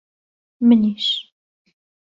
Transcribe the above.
منیش.